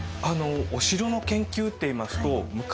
お城の研究っていいますと昔はですね